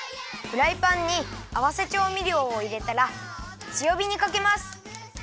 フライパンにあわせちょうみりょうをいれたらつよびにかけます。